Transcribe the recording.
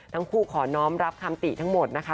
ทั้งคู่ขอน้องรับคำติทั้งหมดนะคะ